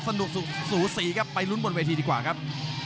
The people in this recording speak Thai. สนุกสูสีครับไปลุ้นบนเวทีดีกว่าครับ